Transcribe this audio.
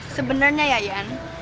sebenernya ya iyan